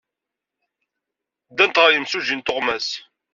Ddant ɣer yimsujji n tuɣmas.